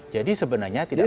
jadi sebenarnya tidak perlu kita